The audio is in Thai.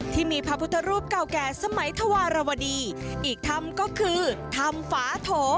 ที่มีพระพุทธรูปเก่าแก่สมัยธวรวดีอีกธรรมก็คือธรรมฝาโถ